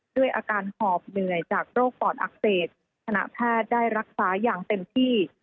ด้วยอาการหอบเหนื่อยจากโรคปอดอักเสบคณะแพทย์ได้รักษาอย่างเต็มที่